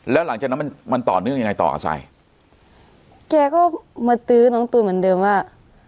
แล้วหลังจากนั้นมันมันต่อเนื่องยังไงต่ออาศัยแกก็มาตื้อน้องตูนเหมือนเดิมว่า